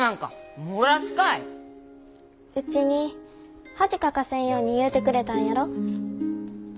ウチに恥かかせんように言うてくれたんやろ？